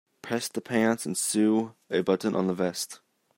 Press the pants and sew a button on the vest.